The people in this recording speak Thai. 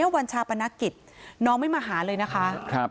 วันชาปนกิจน้องไม่มาหาเลยนะคะ